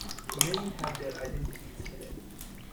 Many had their identities hidden.